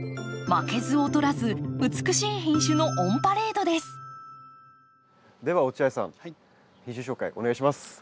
負けず劣らず美しい品種のオンパレードです。